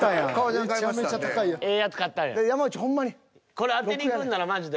これ当てにいくんならマジで。